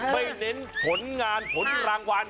เน้นผลงานผลรางวัล